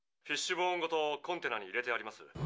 フィッシュボーンごとコンテナに入れてあります」。